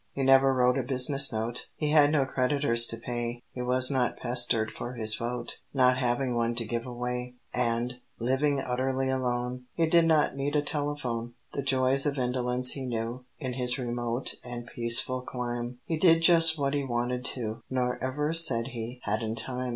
He never wrote a business note; He had no creditors to pay; He was not pestered for his vote, Not having one to give away; And, living utterly alone, He did not need a telephone. The joys of indolence he knew, In his remote and peaceful clime, He did just what he wanted to, Nor ever said he "hadn't time!"